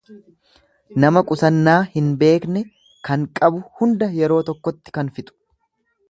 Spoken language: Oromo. Nama qusannaa hin beekne, kan qabu hunda yeroo tokkotti kan fixu.